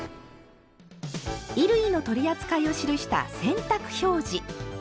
衣類の取り扱いを記した「洗濯表示」。